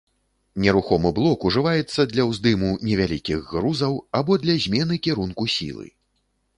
Нерухомы блок ўжываецца для ўздыму невялікіх грузаў або для змены кірунку сілы.